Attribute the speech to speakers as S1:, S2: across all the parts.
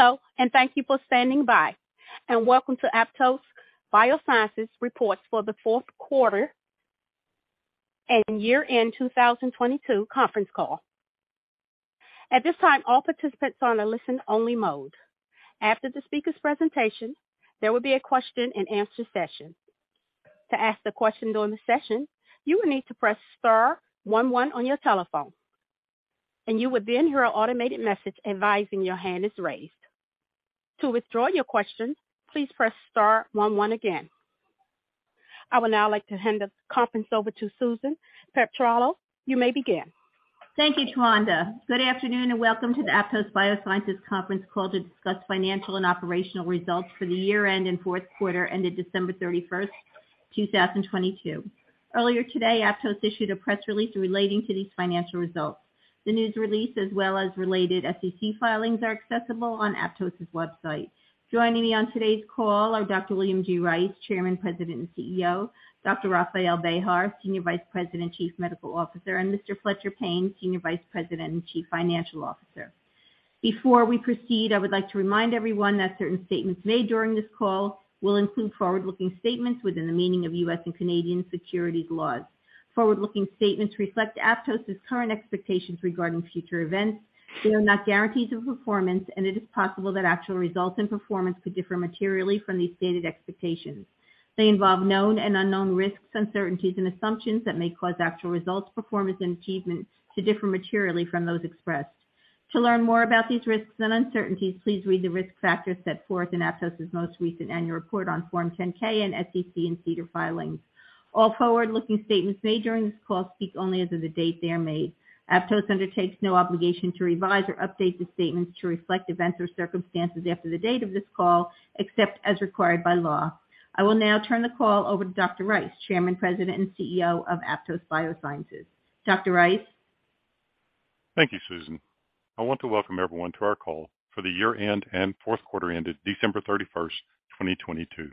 S1: Hello, and thank you for standing by, and welcome to Aptose Biosciences Reports for the fourth quarter and year-end 2022 conference call. At this time, all participants are on a listen-only mode. After the speaker's presentation, there will be a question and answer session. To ask the question during the session, you will need to press star one one on your telephone, and you would then hear an automated message advising your hand is raised. To withdraw your question, please press star one one again. I would now like to hand the conference over to Susan Pietropaolo. You may begin.
S2: Thank you, Tawanda. Good afternoon, and welcome to the Aptose Biosciences conference call to discuss financial and operational results for the year-end and fourth quarter ended December 31, 2022. Earlier today, Aptose issued a press release relating to these financial results. The news release, as well as related SEC filings, are accessible on Aptose's website. Joining me on today's call are Dr. William G. Rice, Chairman, President, and CEO, Dr. Rafael Bejar, Senior Vice President, Chief Medical Officer, and Mr. Fletcher Payne, Senior Vice President and Chief Financial Officer. Before we proceed, I would like to remind everyone that certain statements made during this call will include forward-looking statements within the meaning of U.S. and Canadian securities laws. Forward-looking statements reflect Aptose's current expectations regarding future events. They are not guarantees of performance, and it is possible that actual results and performance could differ materially from these stated expectations. They involve known and unknown risks, uncertainties, and assumptions that may cause actual results, performance and achievements to differ materially from those expressed. To learn more about these risks and uncertainties, please read the risk factors set forth in Aptose's most recent annual report on Form 10-K and SEC and CDER filings. All forward-looking statements made during this call speak only as of the date they are made. Aptose undertakes no obligation to revise or update the statements to reflect events or circumstances after the date of this call, except as required by law. I will now turn the call over to Dr. Rice, Chairman, President, and CEO of Aptose Biosciences. Dr. Rice.
S3: Thank you, Susan. I want to welcome everyone to our call for the year-end and fourth quarter ended December 31st, 2022.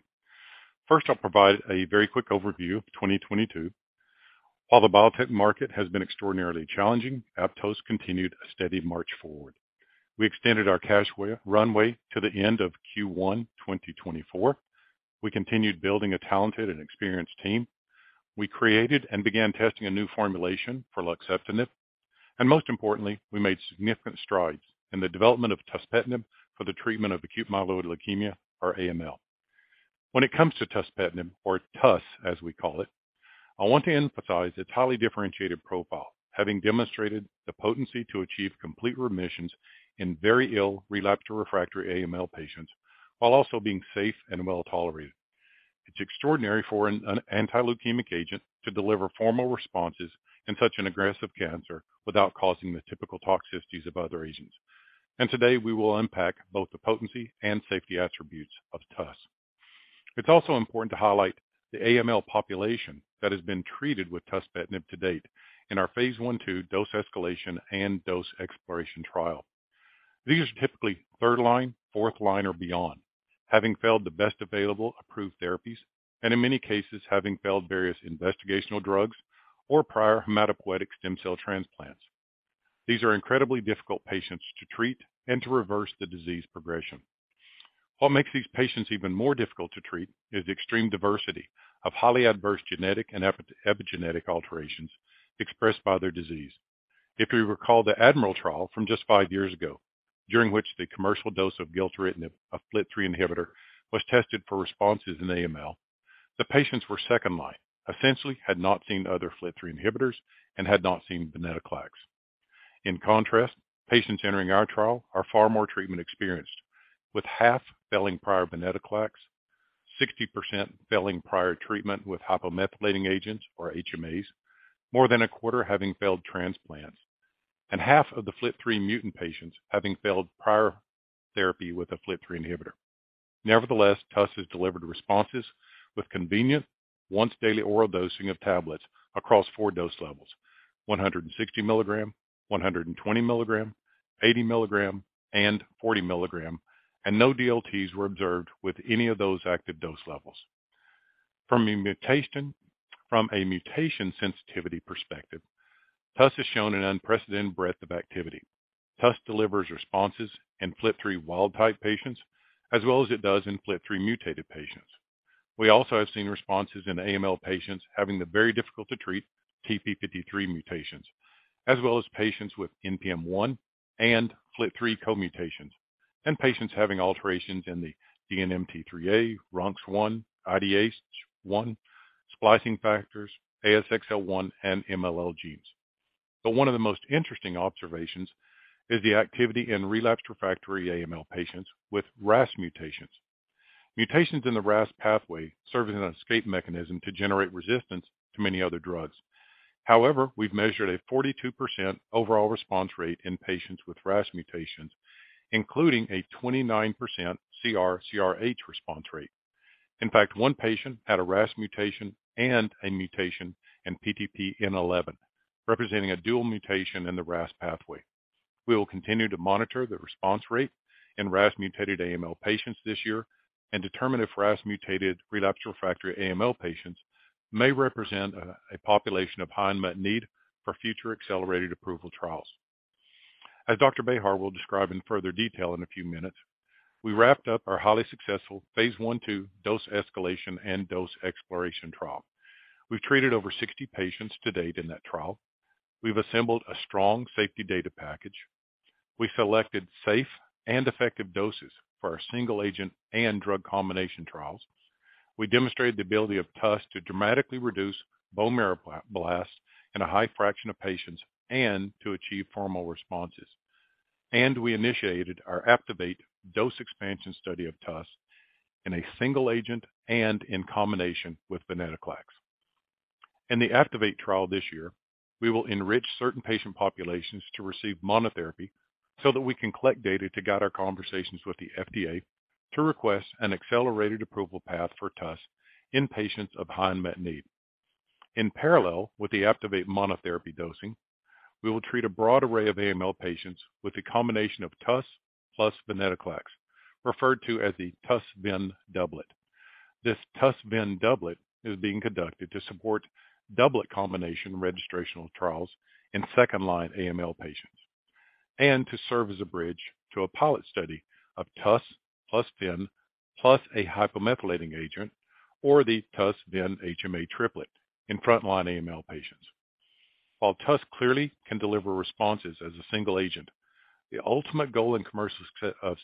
S3: I'll provide a very quick overview of 2022. While the biotech market has been extraordinarily challenging, Aptose continued a steady march forward. We extended our cash runway to the end of Q1, 2024. We continued building a talented and experienced team. We created and began testing a new formulation for luxeptinib, most importantly, we made significant strides in the development of tuspetinib for the treatment of acute myeloid leukemia, or AML. When it comes to tuspetinib or TUS, as we call it, I want to emphasize its highly differentiated profile, having demonstrated the potency to achieve complete remissions in very ill relapsed or refractory AML patients while also being safe and well tolerated. It's extraordinary for an anti-leukemic agent to deliver formal responses in such an aggressive cancer without causing the typical toxicities of other agents. Today we will unpack both the potency and safety attributes of TUS. It's also important to highlight the AML population that has been treated with tuspetinib to date in our phase 1/2 dose escalation and dose exploration trial. These are typically third line, fourth line or beyond, having failed the best available approved therapies and in many cases, having failed various investigational drugs or prior hematopoietic stem cell transplants. These are incredibly difficult patients to treat and to reverse the disease progression. What makes these patients even more difficult to treat is the extreme diversity of highly adverse genetic and epigenetic alterations expressed by their disease. If we recall the ADMIRAL trial from just five years ago, during which the commercial dose of gilteritinib, a FLT3 inhibitor, was tested for responses in AML, the patients were second line, essentially had not seen other FLT3 inhibitors and had not seen venetoclax. In contrast, patients entering our trial are far more treatment experienced, with half failing prior venetoclax, 60% failing prior treatment with hypomethylating agents or HMAs. More than a quarter having failed transplants and half of the FLT3 mutant patients having failed prior therapy with a FLT3 inhibitor. Nevertheless, TUS has delivered responses with convenient once daily oral dosing of tablets across four dose levels 160 milligram, 120 milligram, 80 milligram, and 40 milligram, and no DLTs were observed with any of those active dose levels. From a mutation sensitivity perspective, TUS has shown an unprecedented breadth of activity. TUS delivers responses in FLT3 wild type patients as well as it does in FLT3 mutated patients. We also have seen responses in AML patients having the very difficult-to-treat TP53 mutations, as well as patients with NPM1 and FLT3 co-mutations, and patients having alterations in the DNMT3A, RUNX1, IDH1, splicing factors, ASXL1 and MLL genes. One of the most interesting observations is the activity in relapsed refractory AML patients with RAS mutations. Mutations in the RAS pathway serve as an escape mechanism to generate resistance to many other drugs. However, we've measured a 42% overall response rate in patients with RAS mutations, including a 29% CR/CRh response rate. In fact, one patient had a RAS mutation and a mutation in PTPN11, representing a dual mutation in the RAS pathway. We will continue to monitor the response rate in RAS-mutated AML patients this year and determine if RAS-mutated relapsed refractory AML patients may represent a population of high need for future accelerated approval trials. As Dr. Rafael Bejar will describe in further detail in a few minutes, we wrapped up our highly successful phase 1/2 dose escalation and dose exploration trial. We've treated over 60 patients to date in that trial. We've assembled a strong safety data package. We selected safe and effective doses for our single agent and drug combination trials. We demonstrated the ability of TUS to dramatically reduce bone marrow blast in a high fraction of patients and to achieve formal responses. We initiated our APTIVATE dose expansion study of TUS in a single agent and in combination with venetoclax. In the APTIVATE trial this year, we will enrich certain patient populations to receive monotherapy so that we can collect data to guide our conversations with the FDA to request an accelerated approval path for TUS in patients of high unmet need. In parallel with the APTIVATE monotherapy dosing, we will treat a broad array of AML patients with a combination of TUS plus venetoclax, referred to as a TUS+VEN doublet. This TUS+VEN doublet is being conducted to support doublet combination registrational trials in second-line AML patients and to serve as a bridge to a pilot study of TUS plus VEN plus a hypomethylating agent, or the TUS+VEN+HMA triplet in frontline AML patients. While TUS clearly can deliver responses as a single agent, the ultimate goal and commercial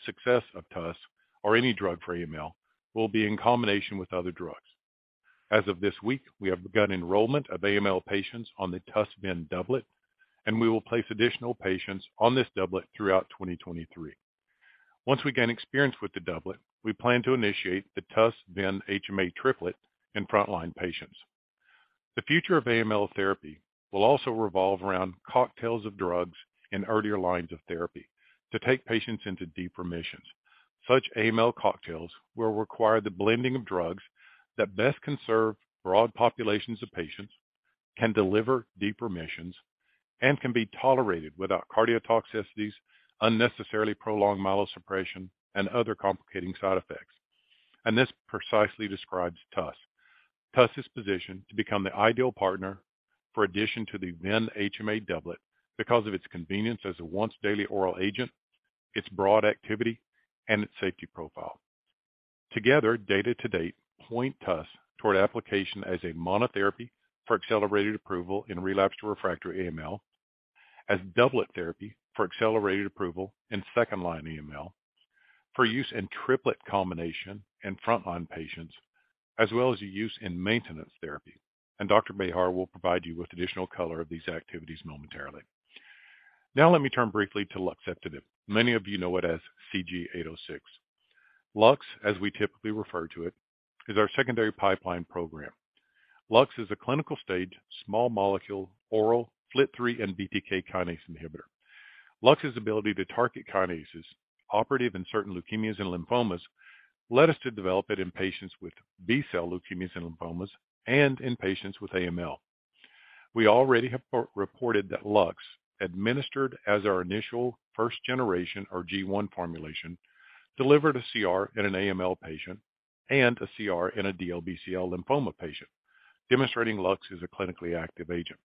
S3: success of TUS or any drug for AML will be in combination with other drugs. As of this week, we have begun enrollment of AML patients on the TUS-VEN doublet. We will place additional patients on this doublet throughout 2023. Once we gain experience with the doublet, we plan to initiate the TUS-VEN-HMA triplet in frontline patients. The future of AML therapy will also revolve around cocktails of drugs in earlier lines of therapy to take patients into deep remissions. Such AML cocktails will require the blending of drugs that best can serve broad populations of patients, can deliver deep remissions, and can be tolerated without cardiotoxicities, unnecessarily prolonged myelosuppression, and other complicating side effects. This precisely describes TUS. TUS is positioned to become the ideal partner for addition to the VEN-HMA doublet because of its convenience as a once daily oral agent, its broad activity and its safety profile. Together, data to date point TUS toward application as a monotherapy for accelerated approval in relapsed to refractory AML, as doublet therapy for accelerated approval in second line AML, for use in triplet combination in frontline patients, as well as the use in maintenance therapy. Dr. Rafael Bejar will provide you with additional color of these activities momentarily. Now let me turn briefly to luxeptinib. Many of you know it as CG-806. LUX, as we typically refer to it, is our secondary pipeline program. LUX is a clinical stage, small molecule, oral FLT3 and BTK kinase inhibitor. LUX's ability to target kinases operative in certain leukemias and lymphomas led us to develop it in patients with B-cell leukemias and lymphomas and in patients with AML. We already have re-reported that LUX administered as our initial first generation or G1 formulation, delivered a CR in an AML patient and a CR in a DLBCL lymphoma patient, demonstrating LUX is a clinically active agent.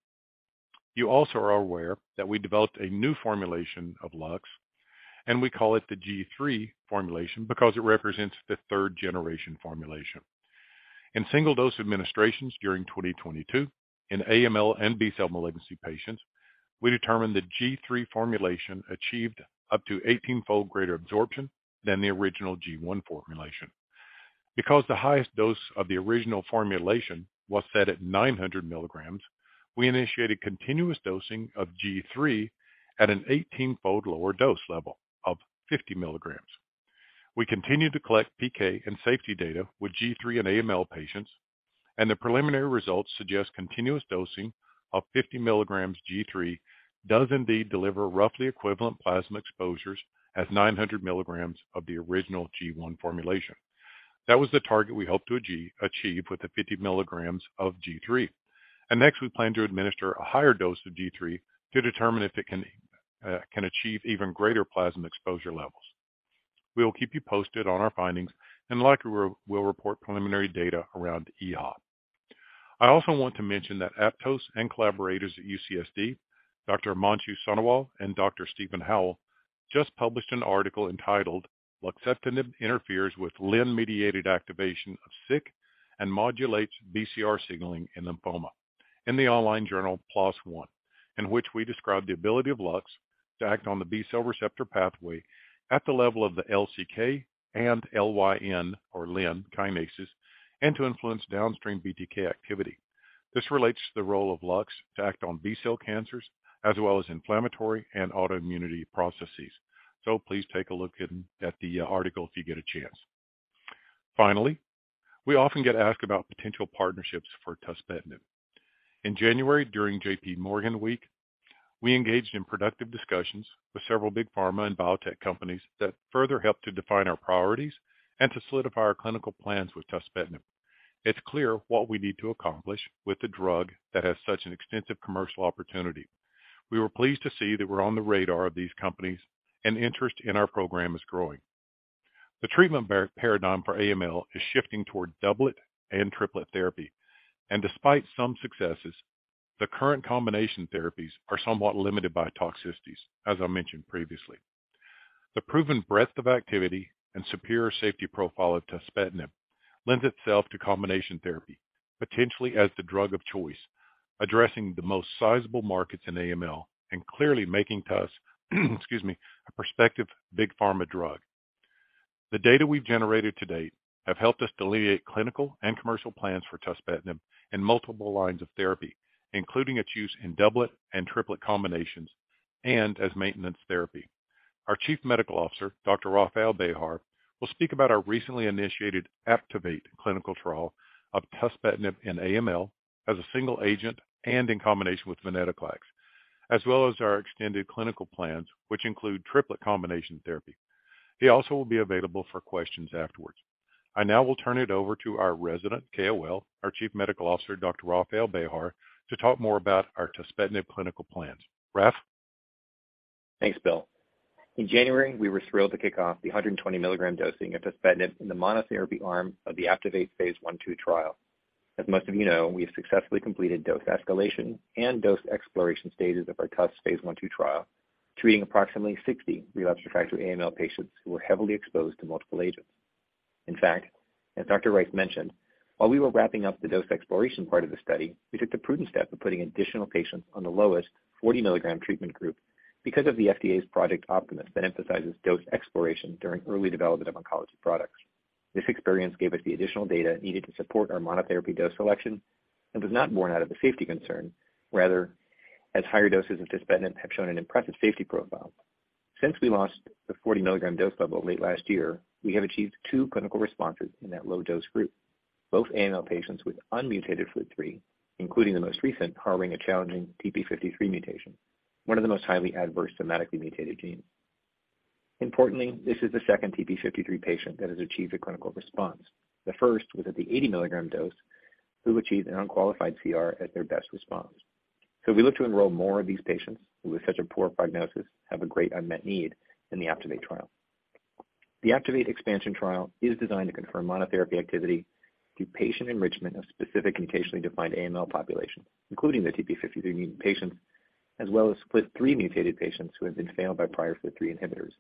S3: You also are aware that we developed a new formulation of LUX, and we call it the G3 formulation because it represents the third generation formulation. In single dose administrations during 2022 in AML and B-cell malignancy patients, we determined the G3 formulation achieved up to 18-fold greater absorption than the original G1 formulation. Because the highest dose of the original formulation was set at 900 milligrams, we initiated continuous dosing of G3 at an 18-fold lower dose level of 50 milligrams. We continue to collect PK and safety data with G3 in AML patients. The preliminary results suggest continuous dosing of 50 milligrams G3 does indeed deliver roughly equivalent plasma exposures as 900 milligrams of the original G1 formulation. That was the target we hope to achieve with the 50 milligrams of G3. Next, we plan to administer a higher dose of G3 to determine if it can achieve even greater plasma exposure levels. We will keep you posted on our findings, and likely we'll report preliminary data around EHA. I also want to mention that Aptose and collaborators at UCSD, Dr. Manju Sonowal and Dr. Stephen Howell just published an article entitled luxeptinib interferes with LYN-mediated activation of SYK and modulates BCR signaling in lymphoma in the online journal PLOS ONE, in which we describe the ability of LUX to act on the B-cell receptor pathway at the level of the LCK and L-Y-N or LYN kinases, and to influence downstream BTK activity. This relates to the role of LUX to act on B-cell cancers as well as inflammatory and autoimmunity processes. Please take a look at the article if you get a chance. Finally, we often get asked about potential partnerships for tuspetinib. In January, during JPMorgan Week, we engaged in productive discussions with several big pharma and biotech companies that further helped to define our priorities and to solidify our clinical plans with tuspetinib. It's clear what we need to accomplish with a drug that has such an extensive commercial opportunity. We were pleased to see that we're on the radar of these companies and interest in our program is growing. The treatment paradigm for AML is shifting toward doublet and triplet therapy. Despite some successes, the current combination therapies are somewhat limited by toxicities, as I mentioned previously. The proven breadth of activity and superior safety profile of tuspetinib lends itself to combination therapy, potentially as the drug of choice, addressing the most sizable markets in AML and clearly making TUS, excuse me, a prospective big pharma drug. The data we've generated to date have helped us delineate clinical and commercial plans for tuspetinib in multiple lines of therapy, including its use in doublet and triplet combinations and as maintenance therapy. Our chief medical officer, Dr. Rafael Bejar, will speak about our recently initiated APTIVATE clinical trial of tuspetinib in AML as a single agent and in combination with venetoclax, as well as our extended clinical plans, which include triplet combination therapy. He also will be available for questions afterwards. I now will turn it over to our resident KOL, our Chief Medical Officer, Dr. Rafael Bejar, to talk more about our tuspetinib clinical plans. Raf?
S4: Thanks, Bill. In January, we were thrilled to kick off the 120-milligram dosing of tuspetinib in the monotherapy arm of the APTIVATE phase I/II trial. Most of you know, we have successfully completed dose escalation and dose exploration stages of our TUS phase I/II trial, treating approximately 60 relapsed refractory AML patients who were heavily exposed to multiple agents. As Dr. Rice mentioned, while we were wrapping up the dose exploration part of the study, we took the prudent step of putting additional patients on the lowest 40-milligram treatment group because of the FDA's Project Optimus that emphasizes dose exploration during early development of oncology products. This experience gave us the additional data needed to support our monotherapy dose selection and was not born out of a safety concern, rather, as higher doses of tuspetinib have shown an impressive safety profile. Since we launched the 40-milligram dose level late last year, we have achieved two clinical responses in that low dose group, both AML patients with unmutated FLT3, including the most recent, harboring a challenging TP53 mutation, one of the most highly adverse somatically mutated genes. Importantly, this is the second TP53 patient that has achieved a clinical response. The first was at the 80-milligram dose, who achieved an unqualified CR at their best response. We look to enroll more of these patients who, with such a poor prognosis, have a great unmet need in the APTIVATE trial. The APTIVATE expansion trial is designed to confirm monotherapy activity through patient enrichment of specific and occasionally defined AML populations, including the TP53 mutant patients, as well as FLT3-mutated patients who have been failed by prior FLT3 inhibitors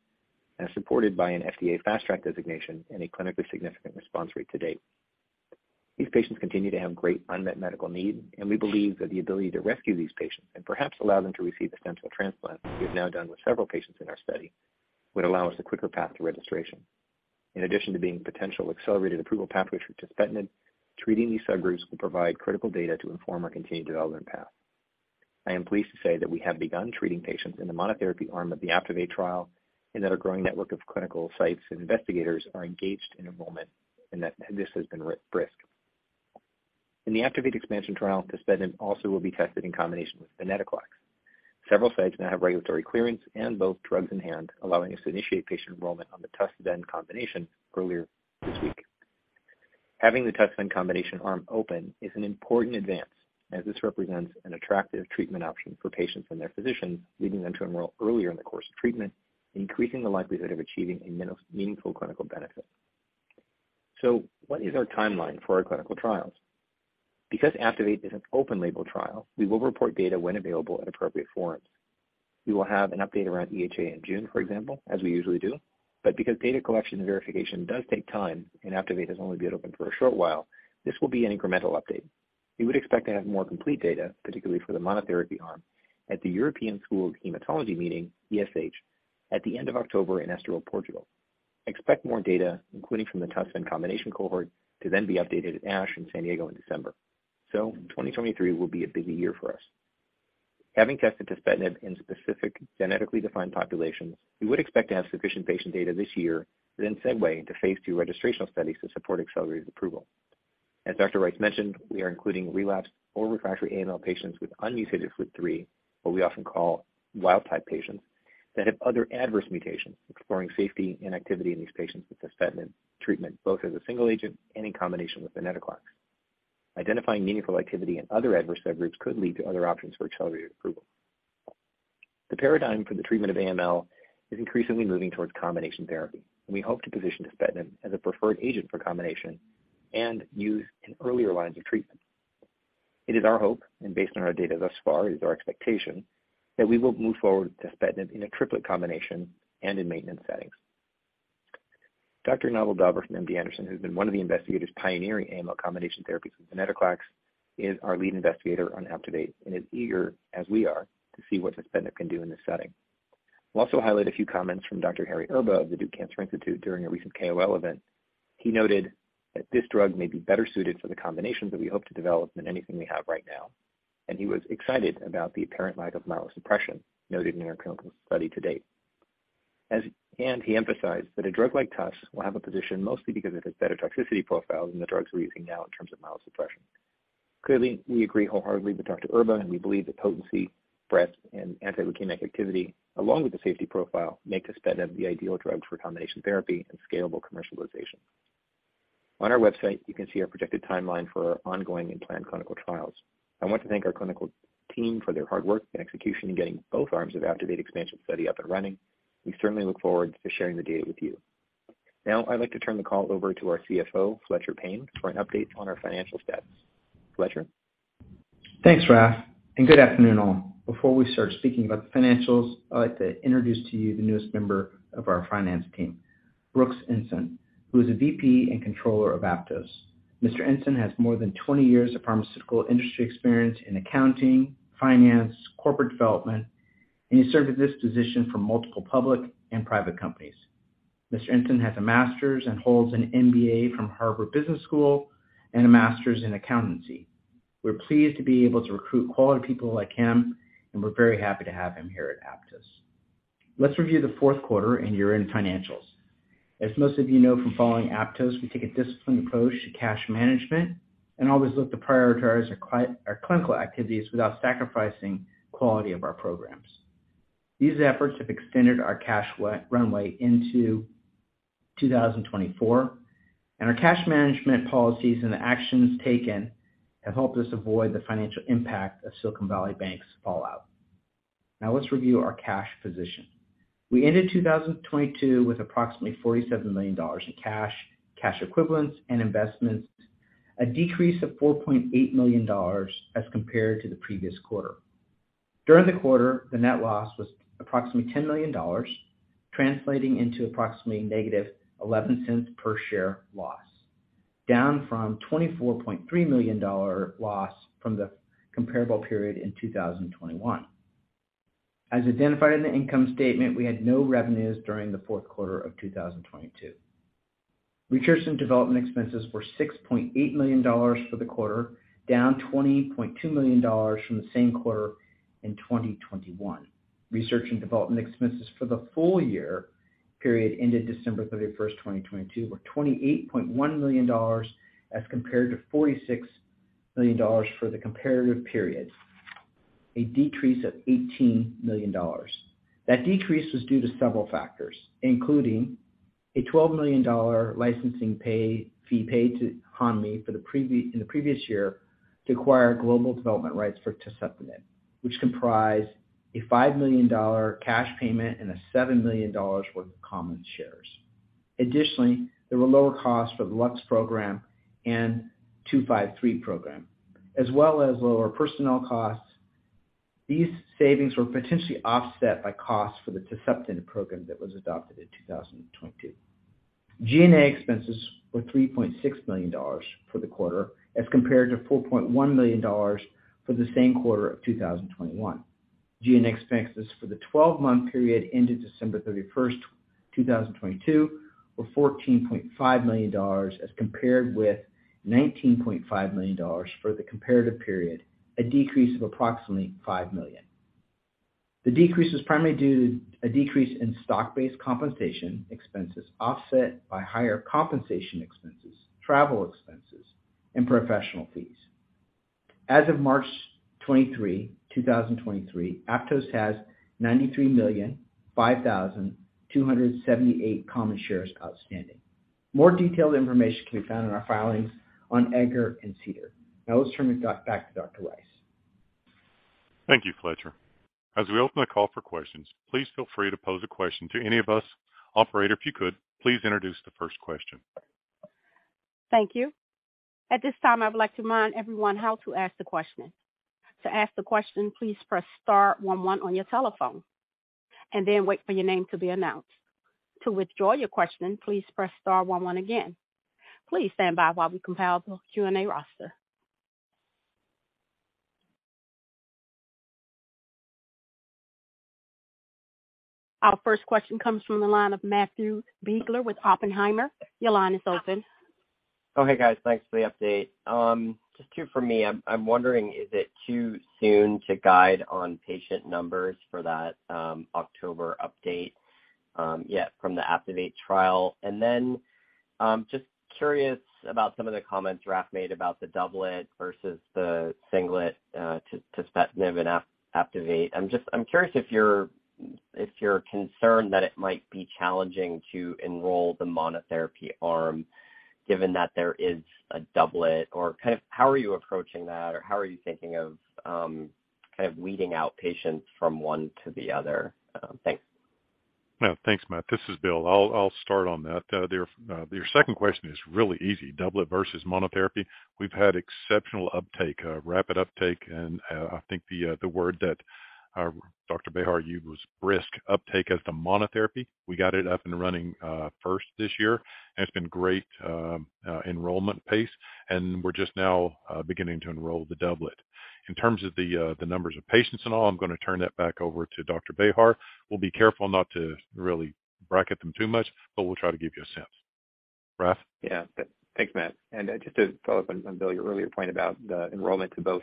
S4: and are supported by an FDA Fast Track designation and a clinically significant response rate to date. These patients continue to have great unmet medical need, and we believe that the ability to rescue these patients and perhaps allow them to receive a stem cell transplant, we have now done with several patients in our study, would allow us a quicker path to registration. In addition to being potential accelerated approval pathway for tuspetinib, treating these subgroups will provide critical data to inform our continued development path. I am pleased to say that we have begun treating patients in the monotherapy arm of the APTIVATE trial, and that a growing network of clinical sites and investigators are engaged in enrollment, and that this has been brisk. In the APTIVATE expansion trial, tuspetinib also will be tested in combination with venetoclax. Several sites now have regulatory clearance and both drugs in hand, allowing us to initiate patient enrollment on the TUS+VEN combination earlier this week. Having the TUS+VEN combination arm open is an important advance, as this represents an attractive treatment option for patients and their physicians, leading them to enroll earlier in the course of treatment, increasing the likelihood of achieving a meaningful clinical benefit. What is our timeline for our clinical trials? Because APTIVATE is an open label trial, we will report data when available at appropriate forums. We will have an update around EHA in June, for example, as we usually do. Because data collection and verification does take time and APTIVATE has only been open for a short while, this will be an incremental update. We would expect to have more complete data, particularly for the monotherapy arm, at the European School of Haematology meeting, ESH, at the end of October in Estoril, Portugal. Expect more data, including from the TUS+VEN combination cohort, to then be updated at ASH in San Diego in December. 2023 will be a busy year for us. Having tested tuspetinib in specific genetically defined populations, we would expect to have sufficient patient data this year, then segue into phase II registrational studies to support accelerated approval. As Dr. Rice mentioned, we are including relapsed or refractory AML patients with unmutated FLT3, what we often call wild type patients, that have other adverse mutations, exploring safety and activity in these patients with tuspetinib treatment, both as a single agent and in combination with venetoclax. Identifying meaningful activity in other adverse subgroups could lead to other options for accelerated approval. The paradigm for the treatment of AML is increasingly moving towards combination therapy, and we hope to position tuspetinib as a preferred agent for combination and use in earlier lines of treatment. It is our hope, and based on our data thus far, it is our expectation, that we will move forward with tuspetinib in a triplet combination and in maintenance settings. Dr. Naval Daver from MD Anderson, who's been one of the investigators pioneering AML combination therapies with venetoclax, is our lead investigator on APTIVATE and is eager, as we are, to see what tuspetinib can do in this setting. We'll also highlight a few comments from Dr. Harry Erba of the Duke Cancer Institute during a recent KOL event. He noted that this drug may be better suited for the combinations that we hope to develop than anything we have right now, and he was excited about the apparent lack of myelosuppression noted in our clinical study to date. He emphasized that a drug like TUS will have a position mostly because of its better toxicity profile than the drugs we're using now in terms of myelosuppression. Clearly, we agree wholeheartedly with Dr. Erba, we believe that potency, breadth, and anti-leukemic activity, along with the safety profile, make tuspetinib the ideal drug for combination therapy and scalable commercialization. On our website, you can see our projected timeline for our ongoing and planned clinical trials. I want to thank our clinical team for their hard work and execution in getting both arms of the APTIVATE expansion study up and running. We certainly look forward to sharing the data with you. Now I'd like to turn the call over to our CFO, Fletcher Payne, for an update on our financial status. Fletcher?
S5: Thanks, Raf, and good afternoon, all. Before we start speaking about the financials, I'd like to introduce to you the newest member of our finance team, Brooks Ensign, who is a VP and Controller of Aptose. Mr. Ensign has more than 20 years of pharmaceutical industry experience in accounting, finance, corporate development, and he served at this position for multiple public and private companies. Mr. Ensign has a master's and holds an MBA from Harvard Business School and a master's in accountancy. We're pleased to be able to recruit quality people like him, and we're very happy to have him here at Aptose. Let's review the fourth quarter and year-end financials. As most of you know from following Aptose, we take a disciplined approach to cash management and always look to prioritize our clinical activities without sacrificing quality of our programs. These efforts have extended our cash runway into 2024, and our cash management policies and the actions taken have helped us avoid the financial impact of Silicon Valley Bank's fallout. Now let's review our cash position. We ended 2022 with approximately $47 million in cash equivalents, and investments, a decrease of $4.8 million as compared to the previous quarter. During the quarter, the net loss was approximately $10 million, translating into approximately negative $0.11 per share loss, down from $24.3 million loss from the comparable period in 2021. As identified in the income statement, we had no revenues during the fourth quarter of 2022. Research and development expenses were $6.8 million for the quarter, down $20.2 million from the same quarter in 2021. Research and development expenses for the full year period ended December 31st, 2022 were $28.1 million as compared to $46 million for the comparative period, a decrease of $18 million. That decrease was due to several factors, including a $12 million licensing fee paid to Hanmi in the previous year to acquire global development rights for tuspetinib, which comprised a $5 million cash payment and $7 million worth of common shares. Additionally, there were lower costs for the LUX program and 253 program, as well as lower personnel costs. These savings were potentially offset by costs for the tuspetinib program that was adopted in 2022. G&A expenses were $3.6 million for the quarter as compared to $4.1 million for the same quarter of 2021. G&A expenses for the 12-month period ended December thirty-first, 2022 were $14.5 million as compared with $19.5 million for the comparative period, a decrease of approximately $5 million. The decrease was primarily due to a decrease in stock-based compensation expenses offset by higher compensation expenses, travel expenses, and professional fees. As of March 23, 2023, Aptose has 93,005,278 common shares outstanding. More detailed information can be found in our filings on EDGAR and SEDAR. Let's turn it back to Dr. Rice.
S3: Thank you, Fletcher. As we open the call for questions, please feel free to pose a question to any of us. Operator, if you could, please introduce the first question.
S1: Thank you. At this time, I would like to remind everyone how to ask the question. To ask the question, please press star one one on your telephone and then wait for your name to be announced. To withdraw your question, please press star one one again. Please stand by while we compile the Q&A roster. Our first question comes from the line of Matthew Biegler with Oppenheimer. Your line is open.
S6: Oh, hey, guys, thanks for the update. Just two from me. I'm wondering, is it too soon to guide on patient numbers for that October update, yet from the APTIVATE trial? Just curious about some of the comments Raf made about the doublet versus the singlet, tuspetinib and APTIVATE. I'm curious if you're concerned that it might be challenging to enroll the monotherapy arm given that there is a doublet, or kind of how are you approaching that? How are you thinking of, kind of weeding out patients from one to the other? Thanks.
S3: No. Thanks, Matt. This is Bill. I'll start on that. Your second question is really easy. Doublet versus monotherapy. We've had exceptional uptake, rapid uptake, and I think the word that Dr. Behar used was brisk uptake as the monotherapy. We got it up and running first this year, and it's been great enrollment pace, and we're just now beginning to enroll the doublet. In terms of the numbers of patients and all, I'm gonna turn that back over to Dr. Behar. We'll be careful not to really bracket them too much, but we'll try to give you a sense. Raf?
S4: Yeah. Thanks, Matt. Just to follow up on Bill, your earlier point about the enrollment to both.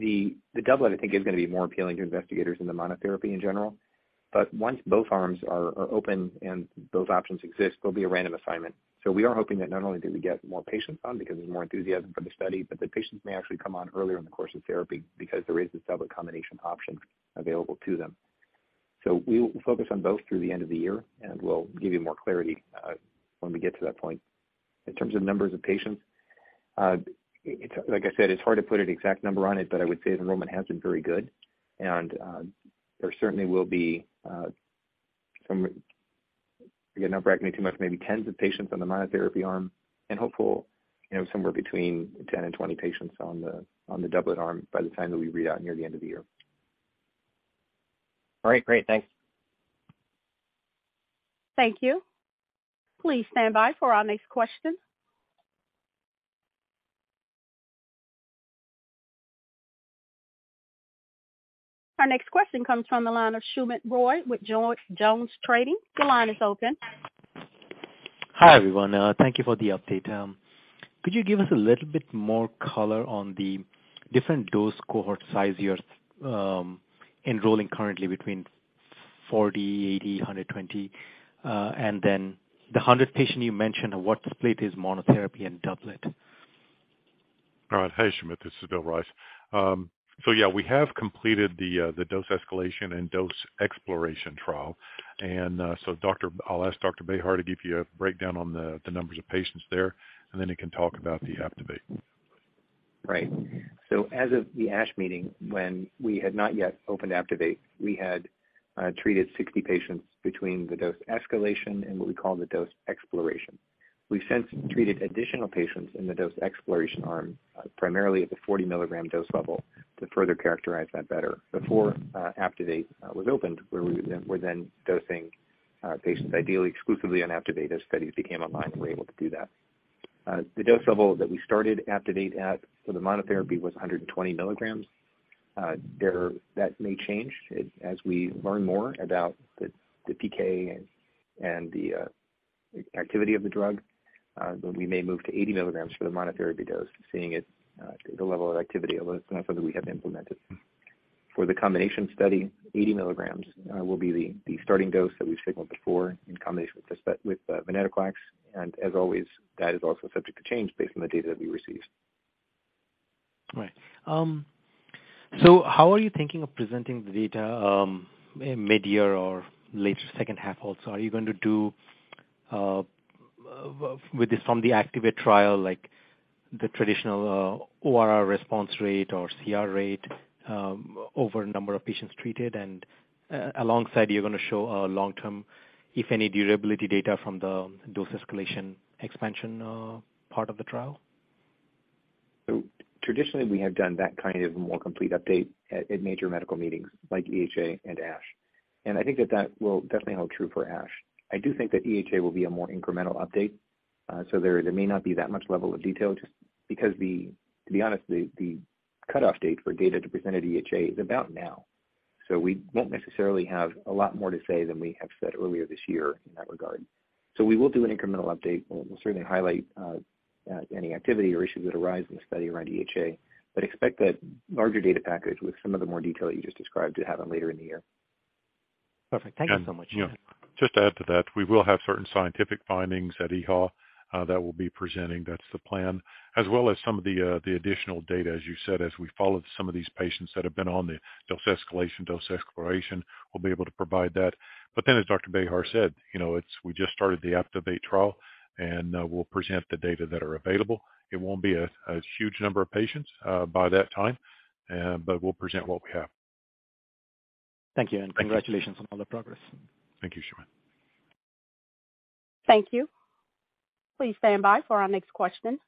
S4: The doublet I think is gonna be more appealing to investigators than the monotherapy in general. Once both arms are open and both options exist, there'll be a random assignment. We are hoping that not only do we get more patients on because there's more enthusiasm for the study, but that patients may actually come on earlier in the course of therapy because there is this doublet combination option available to them. We will focus on both through the end of the year, and we'll give you more clarity when we get to that point. In terms of numbers of patients, like I said, it's hard to put an exact number on it, but I would say the enrollment has been very good. There certainly will be some, again, not bragging too much, maybe tens of patients on the monotherapy arm and hopeful, you know, somewhere between 10 and 20 patients on the doublet arm by the time that we read out near the end of the year.
S6: All right. Great. Thanks.
S1: Thank you. Please stand by for our next question. Our next question comes from the line of Soumit Roy with Jones Trading. Your line is open.
S7: Hi, everyone. Thank you for the update. Could you give us a little bit more color on the different dose cohort size you're enrolling currently between 40, 80, 120? Then the 100 patient you mentioned, what split is monotherapy and doublet?
S3: All right. Hey, Soumit, this is Bill Rice. Yeah, we have completed the dose escalation and dose exploration trial. I'll ask Dr. Behar to give you a breakdown on the numbers of patients there, and then he can talk about the APTIVATE.
S4: Right. As of the ASH meeting, when we had not yet opened APTIVATE, we had treated 60 patients between the dose escalation and what we call the dose exploration. We've since treated additional patients in the dose exploration arm, primarily at the 40-milligram dose level, to further characterize that better. Before APTIVATE was opened, where we were then dosing patients ideally exclusively on APTIVATE as studies became online, and we're able to do that. The dose level that we started APTIVATE at for the monotherapy was 120 milligrams. That may change it as we learn more about the PK and the activity of the drug, but we may move to 80 milligrams for the monotherapy dose, seeing it the level of activity, although it's not something we have implemented. For the combination study, 80 milligrams will be the starting dose that we've signaled before in combination with venetoclax. As always, that is also subject to change based on the data that we receive.
S7: Right. How are you thinking of presenting the data, midyear or later second half also? Are you going to do with this from the APTIVATE trial, like the traditional ORR response rate or CR rate, over number of patients treated? Alongside, you're gonna show long term, if any durability data from the dose escalation expansion, part of the trial.
S4: Traditionally, we have done that kind of more complete update at major medical meetings like EHA and ASH. I think that that will definitely hold true for ASH. I do think that EHA will be a more incremental update. There may not be that much level of detail just because to be honest, the cut off date for data to present at EHA is about now. We won't necessarily have a lot more to say than we have said earlier this year in that regard. We will do an incremental update. We'll certainly highlight any activity or issues that arise in the study around EHA, but expect that larger data package with some of the more detail you just described to have it later in the year.
S7: Perfect. Thank you so much.
S3: You know, just to add to that, we will have certain scientific findings at EHA that we'll be presenting. That's the plan. As well as some of the additional data, as you said, as we follow some of these patients that have been on the dose escalation, dose exploration, we'll be able to provide that. As Dr. Bejar said, you know, it's we just started the APTIVATE trial, and we'll present the data that are available. It won't be a huge number of patients by that time, but we'll present what we have.
S7: Thank you.
S3: Thank you.
S7: Congratulations on all the progress.
S3: Thank you, Soumit.
S1: Thank you. Please stand by for our next question.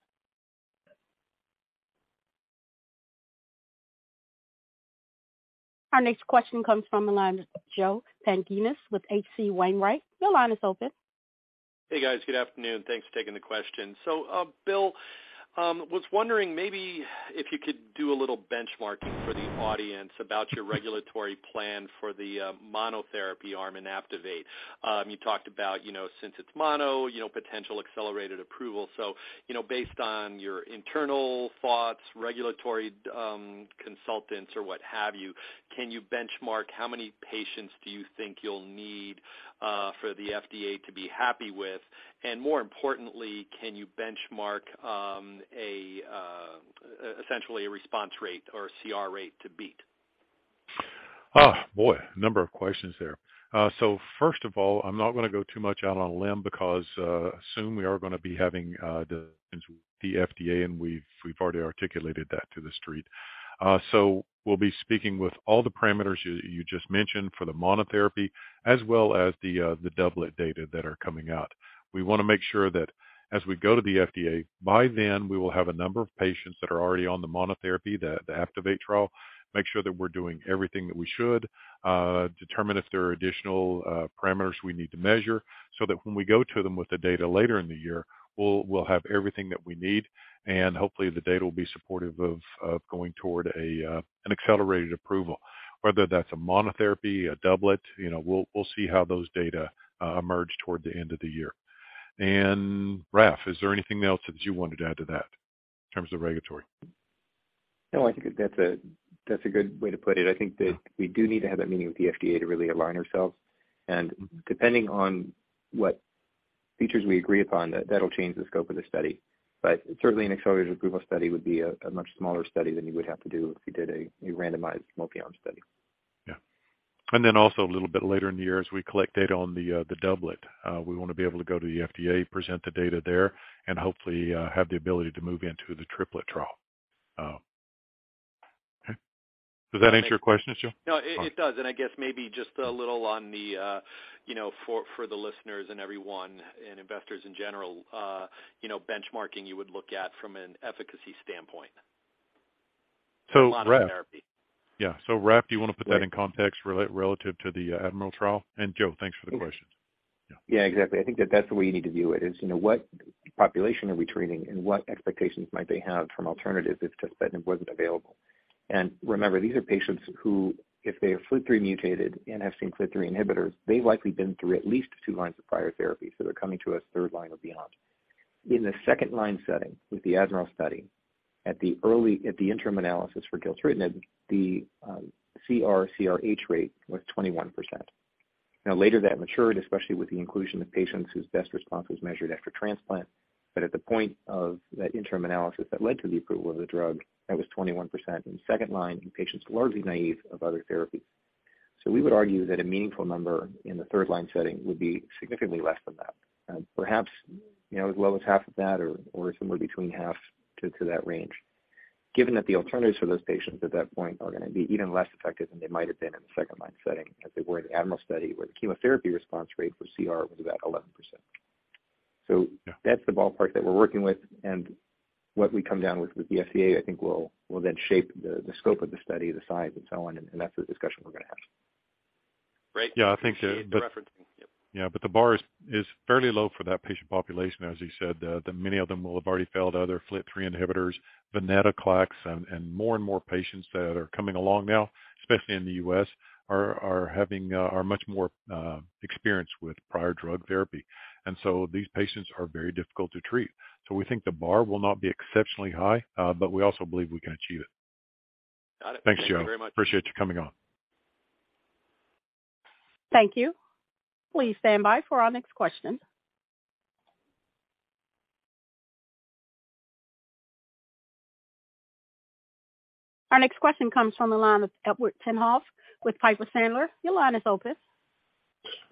S1: Our next question comes from the line of Joe Pantginis with H.C. Wainwright. Your line is open.
S8: Hey, guys. Good afternoon. Thanks for taking the question. Bill, was wondering maybe if you could do a little benchmarking for the audience about your regulatory plan for the monotherapy arm in APTIVATE. You talked about, you know, since it's mono, you know, potential accelerated approval. Based on your internal thoughts, regulatory consultants or what have you, can you benchmark how many patients do you think you'll need for the FDA to be happy with? More importantly, can you benchmark essentially a response rate or CR rate to beat?
S3: Oh, boy. Number of questions there. First of all, I'm not gonna go too much out on a limb because soon we are gonna be having the meetings with the FDA, and we've already articulated that to the street. We'll be speaking with all the parameters you just mentioned for the monotherapy as well as the doublet data that are coming out. We wanna make sure that as we go to the FDA, by then, we will have a number of patients that are already on the monotherapy, the APTIVATE trial, make sure that we're doing everything that we should, determine if there are additional parameters we need to measure so that when we go to them with the data later in the year, we'll have everything that we need, and hopefully the data will be supportive of going toward an accelerated approval. Whether that's a monotherapy, a doublet, you know, we'll see how those data emerge toward the end of the year. Raf, is there anything else that you wanted to add to that in terms of regulatory?
S4: No. I think that's a good way to put it. I think that we do need to have that meeting with the FDA to really align ourselves. Depending on what features we agree upon, that'll change the scope of the study. Certainly an accelerated approval study would be a much smaller study than you would have to do if you did a randomized monotherapy study.
S3: Yeah. Then also a little bit later in the year, as we collect data on the doublet, we wanna be able to go to the FDA, present the data there, and hopefully, have the ability to move into the triplet trial. Okay. Does that answer your question, Joe?
S8: No, it does. I guess maybe just a little on the, you know, for the listeners and everyone and investors in general, you know, benchmarking you would look at from an efficacy standpoint.
S3: Raf.
S8: Monotherapy.
S3: Yeah. Raf, do you wanna put that in context relative to the ADMIRAL trial? Joe, thanks for the question.
S4: Yeah, exactly. I think that that's the way you need to view it, is, you know, what population are we treating and what expectations might they have from alternatives if tuspetinib wasn't available. Remember, these are patients who, if they are FLT3 mutated and have seen FLT3 inhibitors, they've likely been through at least two lines of prior therapy, so they're coming to us third line or beyond. In the second line setting with the ADMIRAL study at the interim analysis for tuspetinib, the CR/CRh rate was 21%. Later that matured, especially with the inclusion of patients whose best response was measured after transplant, that at the point of that interim analysis that led to the approval of the drug, that was 21% in second line in patients largely naive of other therapies. We would argue that a meaningful number in the third line setting would be significantly less than that, perhaps, you know, as well as half of that or somewhere between half to that range. Given that the alternatives for those patients at that point are gonna be even less effective than they might have been in the second line setting as they were in the ADMIRAL study, where the chemotherapy response rate for CR was about 11%.
S3: Yeah.
S4: That's the ballpark that we're working with, what we come down with the FDA, I think will then shape the scope of the study, the size and so on, and that's the discussion we're gonna have.
S8: Great.
S3: Yeah, I think,
S8: Appreciate the referencing. Yep.
S3: The bar is fairly low for that patient population. As you said, many of them will have already failed other FLT3 inhibitors. venetoclax and more and more patients that are coming along now, especially in the U.S., are having much more experienced with prior drug therapy. These patients are very difficult to treat. We think the bar will not be exceptionally high, but we also believe we can achieve it.
S8: Got it.
S3: Thanks, Joe.
S8: Thank you very much.
S3: Appreciate you coming on.
S1: Thank you. Please stand by for our next question. Our next question comes from the line of Edward Tenthoff with Piper Sandler. Your line is open.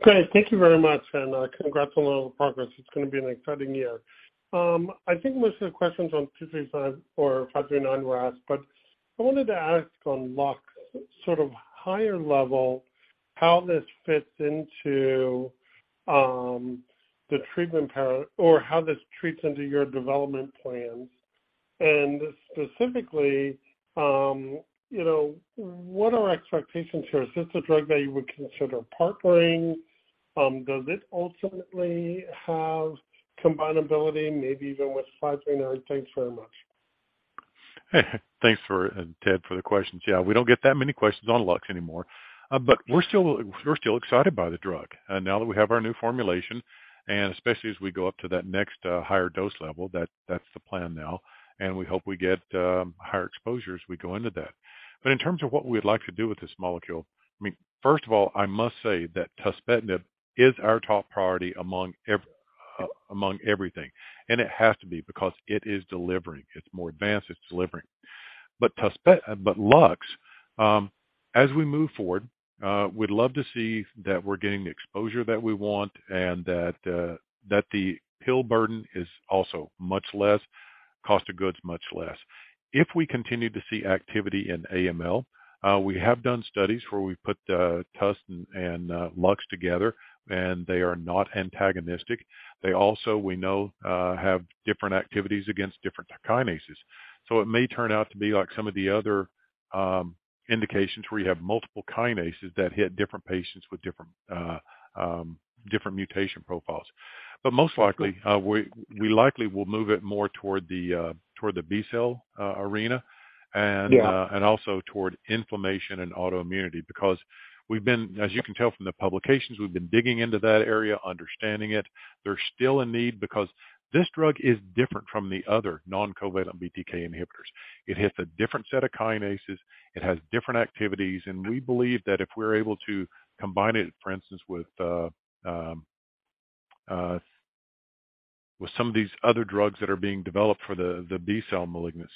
S9: Great. Thank you very much. Congrats on all the progress. It's gonna be an exciting year. I think most of the questions on two three five or five three nine were asked, but I wanted to ask on LUX, sort of higher level, how this fits into how this treats into your development plans. Specifically, you know, what are expectations here? Is this a drug that you would consider partnering? Does it ultimately have combinability, maybe even with five three nine? Thanks very much.
S3: Thanks for, and Ted for the questions. Yeah. We don't get that many questions on LUX anymore. We're still excited by the drug. Now that we have our new formulation, and especially as we go up to that next higher dose level, that's the plan now, and we hope we get higher exposure as we go into that. In terms of what we'd like to do with this molecule, I mean, first of all, I must say that tuspetinib is our top priority among every among everything. It has to be because it is delivering. It's more advanced, it's delivering. LUX, as we move forward, we'd love to see that we're getting the exposure that we want and that the pill burden is also much less, cost of goods much less. If we continue to see activity in AML, we have done studies where we put TUS and LUX together. They are not antagonistic. They also, we know, have different activities against different kinases. It may turn out to be like some of the other indications where you have multiple kinases that hit different patients with different different mutation profiles. Most likely, we likely will move it more toward the B-cell arena and.
S4: Yeah.
S3: Also toward inflammation and autoimmunity, because we've been... as you can tell from the publications, we've been digging into that area, understanding it. There's still a need because this drug is different from the other non-covalent BTK inhibitors. It hits a different set of kinases, it has different activities, and we believe that if we're able to combine it, for instance, with some of these other drugs that are being developed for the B-cell malignancies,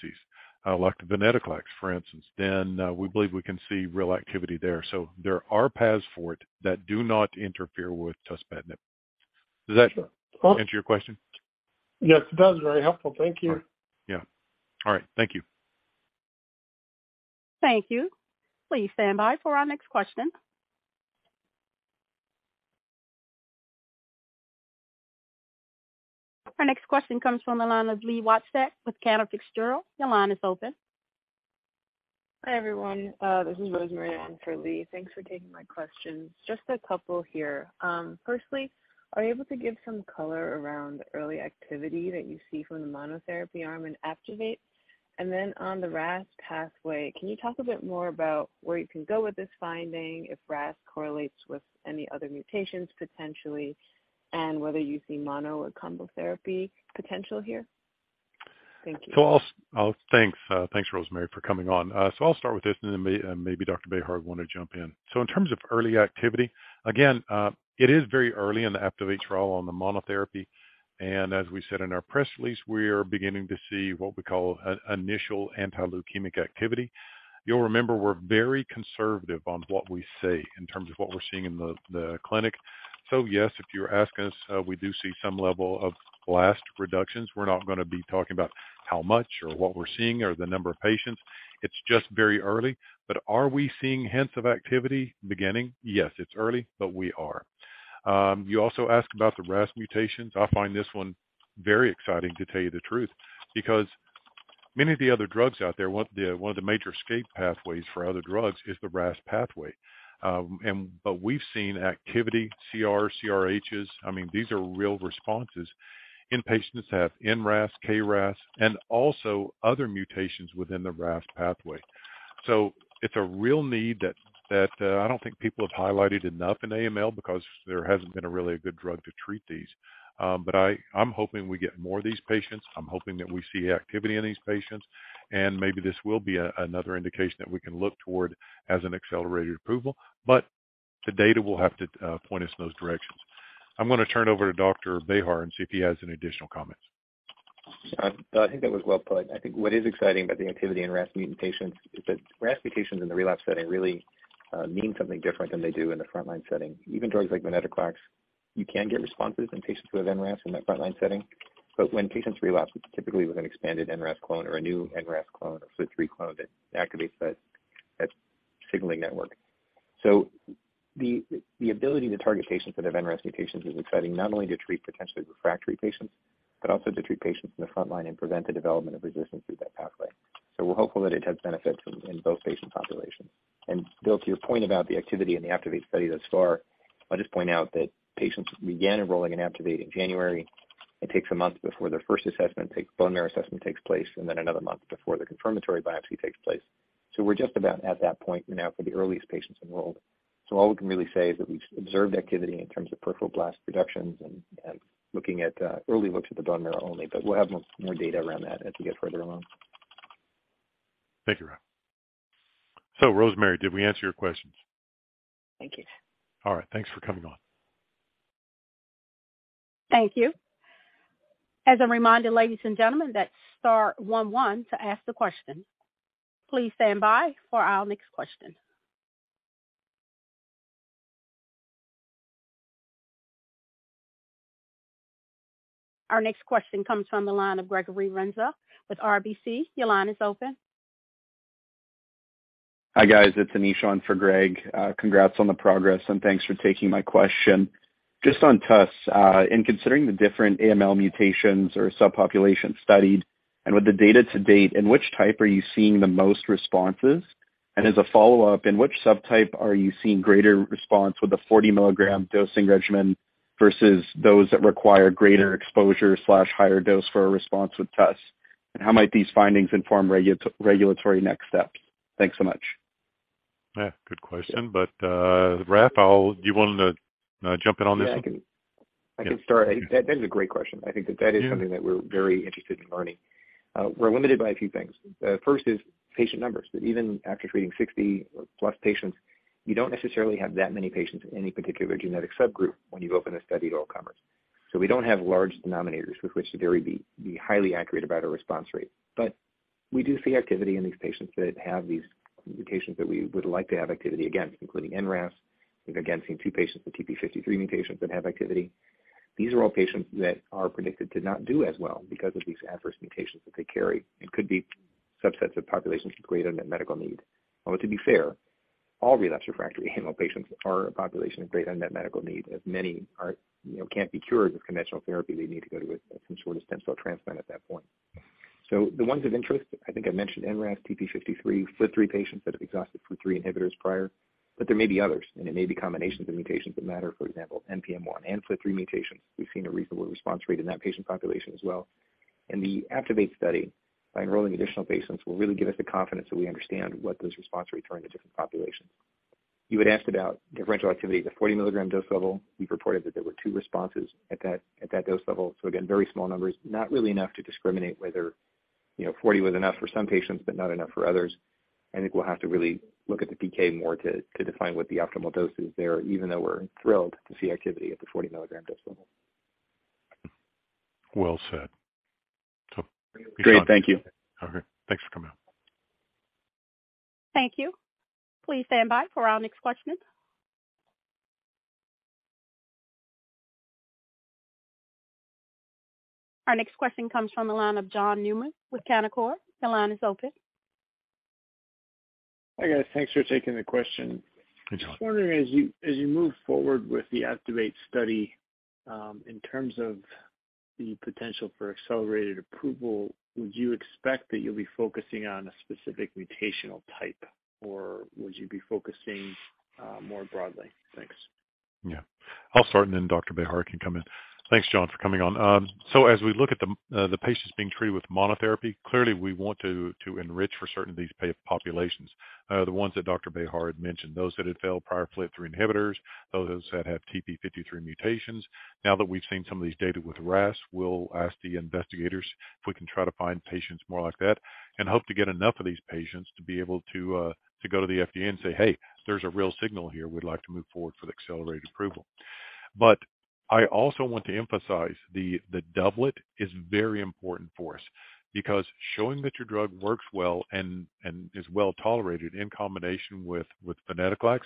S3: like venetoclax, for instance, then we believe we can see real activity there. There are paths for it that do not interfere with tuspetinib. Does that answer your question?
S9: Yes, it does. Very helpful. Thank you.
S3: All right. Yeah. All right. Thank you.
S1: Thank you. Please stand by for our next question. Our next question comes from the line of Li Watsek with Cantor Fitzgerald. Your line is open.
S10: Hi, everyone. This is Rosemary in for Li. Thanks for taking my questions. Just a couple here. Firstly, are you able to give some color around early activity that you see from the monotherapy arm in APTIVATE? On the RAS pathway, can you talk a bit more about where you can go with this finding, if RAS correlates with any other mutations potentially, and whether you see mono or combo therapy potential here?
S3: Thanks Rosemary for coming on. I'll start with this and then maybe Dr. Behar want to jump in. In terms of early activity, again, it is very early in the ACTIVATE trial on the monotherapy. As we said in our press release, we are beginning to see what we call an initial anti-leukemic activity. You'll remember we're very conservative on what we say in terms of what we're seeing in the clinic. Yes, if you're asking us, we do see some level of blast reductions. We're not gonna be talking about how much or what we're seeing or the number of patients. It's just very early. Are we seeing hints of activity beginning? Yes, it's early, but we are. You also asked about the RAS mutations. I find this one very exciting, to tell you the truth, because many of the other drugs out there, one of the major escape pathways for other drugs is the RAS pathway. But we've seen activity CR, CRh, I mean, these are real responses in patients that have NRAS, KRAS, and also other mutations within the RAS pathway. It's a real need that I don't think people have highlighted enough in AML because there hasn't been a really good drug to treat these. But I'm hoping we get more of these patients. I'm hoping that we see activity in these patients, and maybe this will be another indication that we can look toward as an accelerated approval. The data will have to point us in those directions. I'm gonna turn over to Dr. Bejar and see if he has any additional comments.
S4: I think that was well put. I think what is exciting about the activity in RAS mutant patients is that RAS mutations in the relapse setting really mean something different than they do in the frontline setting. Even drugs like venetoclax, you can get responses in patients who have NRAS in that frontline setting. When patients relapse, it's typically with an expanded NRAS clone or a new NRAS clone, a FLT3 clone that activates that signaling network. The ability to target patients that have NRAS mutations is exciting, not only to treat potentially refractory patients, but also to treat patients in the frontline and prevent the development of resistance through that pathway. We're hopeful that it has benefits in both patient populations. Bill, to your point about the activity in the APTIVATE study thus far, I'll just point out that patients began enrolling in APTIVATE in January. It takes a month before their first bone marrow assessment takes place, and then another month before the confirmatory biopsy takes place. We're just about at that point now for the earliest patients enrolled. All we can really say is that we've observed activity in terms of peripheral blast reductions and looking at early looks at the bone marrow only, but we'll have more data around that as we get further along.
S3: Thank you, Raf. Rosemary, did we answer your questions? All right. Thanks for coming on.
S1: Thank you. As a reminder, ladies and gentlemen, that's star one one to ask the question. Please stand by for our next question. Our next question comes from the line of Gregory Renza with RBC. Your line is open.
S11: Hi, guys. It's Anish on for Greg. Congrats on the progress, thanks for taking my question. Just on TUS, in considering the different AML mutations or subpopulation studied, and with the data to date, in which type are you seeing the most responses? As a follow-up, in which subtype are you seeing greater response with the 40 milligram dosing regimen versus those that require greater exposure/higher dose for a response with TUS? How might these findings inform regulatory next steps? Thanks so much.
S3: Yeah, good question. Raf, do you want to jump in on this one?
S4: Yeah, I can start. That is a great question. I think that that is something that we're very interested in learning. We're limited by a few things. The first is patient numbers, that even after treating 60 or plus patients, you don't necessarily have that many patients in any particular genetic subgroup when you open a study to all comers. We don't have large denominators with which to very highly accurate about a response rate. We do see activity in these patients that have these mutations that we would like to have activity against, including NRAS. We've, again, seen two patients with TP53 mutations that have activity. These are all patients that are predicted to not do as well because of these adverse mutations that they carry, and could be subsets of populations with great unmet medical need. To be fair, all relapsed refractory AML patients are a population of great unmet medical need, as many are, you know, can't be cured with conventional therapy. They need to go to a some sort of stem cell transplant at that point. The ones of interest, I think I mentioned NRAS, TP53, FLT3 patients that have exhausted FLT3 inhibitors prior, but there may be others, and it may be combinations of mutations that matter. For example, NPM1 and FLT3 mutations. We've seen a reasonable response rate in that patient population as well. In the APTIVATE study, by enrolling additional patients will really give us the confidence that we understand what those response rates are in the different populations. You had asked about differential activity at the 40 milligram dose level. We've reported that there were two responses at that dose level. Again, very small numbers, not really enough to discriminate whether, you know, 40 was enough for some patients but not enough for others. I think we'll have to really look at the PK more to define what the optimal dose is there, even though we're thrilled to see activity at the 40 milligram dose level.
S3: Well said.
S11: Great. Thank you.
S3: Okay. Thanks for coming on.
S1: Thank you. Please stand by for our next question. Our next question comes from the line of John Newman with Canaccord. The line is open.
S12: Hi, guys. Thanks for taking the question.
S3: Hi, John.
S12: I was wondering, as you move forward with the APTIVATE study, in terms of the potential for accelerated approval, would you expect that you'll be focusing on a specific mutational type, or would you be focusing more broadly? Thanks.
S3: Yeah. I'll start, and then Dr. Bejar can come in. Thanks, John, for coming on. As we look at the patients being treated with monotherapy, clearly we want to enrich for certain of these populations. The ones that Dr. Bejar had mentioned, those that had failed prior FLT3 inhibitors, those that have TP53 mutations. Now that we've seen some of these data with RAS, we'll ask the investigators if we can try to find patients more like that and hope to get enough of these patients to be able to go to the FDA and say, "Hey, there's a real signal here. We'd like to move forward for the accelerated approval." I also want to emphasize the doublet is very important for us because showing that your drug works well and is well-tolerated in combination with venetoclax,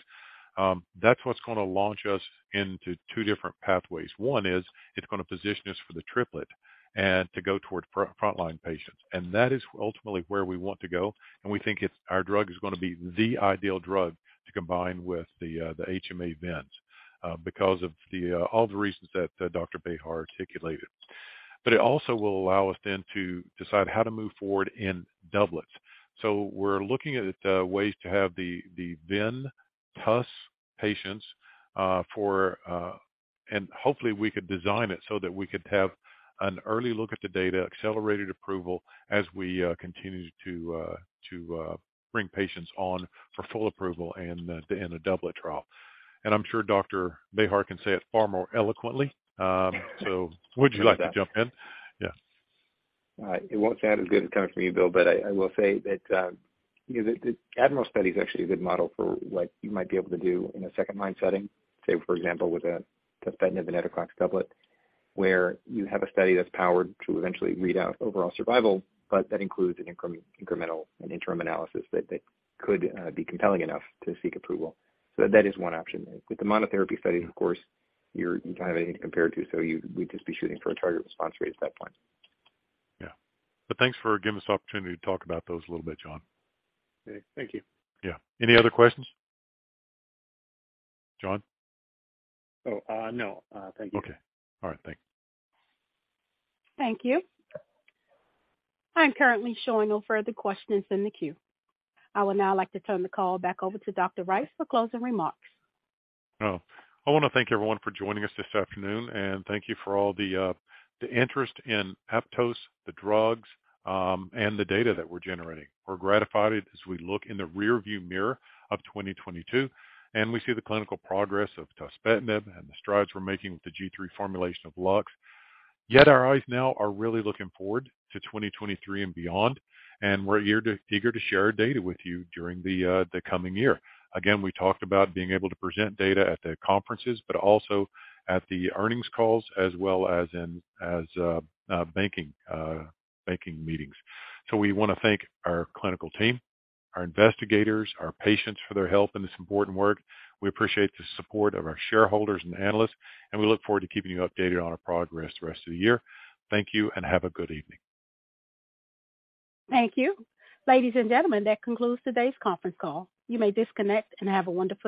S3: that's what's gonna launch us into two different pathways. One is it's gonna position us for the triplet and to go toward frontline patients. That is ultimately where we want to go, and our drug is gonna be the ideal drug to combine with the HMA VENs because of all the reasons that Dr. Bejar articulated. It also will allow us then to decide how to move forward in doublets. We're looking at ways to have the Ven plus patients for, and hopefully we could design it so that we could have an early look at the data, accelerated approval as we continue to bring patients on for full approval and in a doublet trial. I'm sure Dr. Bejar can say it far more eloquently. Would you like to jump in? Yeah.
S4: It won't sound as good coming from me, Bill, but I will say that, you know, the ADMIRAL study is actually a good model for what you might be able to do in a second-line setting. Say, for example, with a tuspetinib and venetoclax doublet, where you have a study that's powered to eventually read out overall survival, but that includes an incremental and interim analysis that could be compelling enough to seek approval. That is one option. With the monotherapy studies, of course, you're, you don't have anything to compare it to, so you'd, we'd just be shooting for a target response rate at that point.
S3: Yeah. Thanks for giving us the opportunity to talk about those a little bit, John.
S4: Okay. Thank you.
S3: Yeah. Any other questions? John?
S13: Oh, no. Thank you.
S3: Okay. All right. Thank you.
S1: Thank you. I'm currently showing no further questions in the queue. I would now like to turn the call back over to Dr. Rice for closing remarks.
S3: I wanna thank everyone for joining us this afternoon, and thank you for all the interest in Aptose, the drugs, and the data that we're generating. We're gratified as we look in the rearview mirror of 2022, and we see the clinical progress of tuspetinib and the strides we're making with the G3 formulation of LUX. Our eyes now are really looking forward to 2023 and beyond, and we're eager to share our data with you during the coming year. Again, we talked about being able to present data at the conferences, but also at the earnings calls as well as in banking meetings. We wanna thank our clinical team, our investigators, our patients for their help in this important work. We appreciate the support of our shareholders and analysts. We look forward to keeping you updated on our progress the rest of the year. Thank you, and have a good evening.
S1: Thank you. Ladies and gentlemen, that concludes today's conference call. You may disconnect and have a wonderful day.